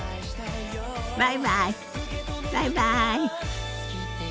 バイバイバイバイ。